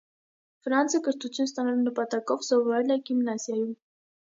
Ֆրանցը կրթություն ստանալու նպատակով սովորել է գիմնազիայում։